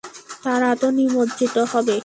তারা তো নিমজ্জিত হবে।